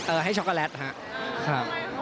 เออให้ช็อกโกแลตค่ะ